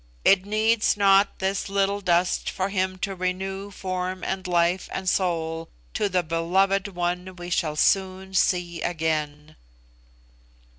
It needs not this little dust for Him to renew form and life and soul to the beloved one we shall soon see again."